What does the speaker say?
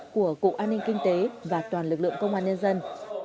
của cục an ninh kinh tế và toàn lực lượng công an nhân dân